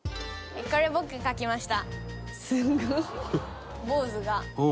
これ僕描きました。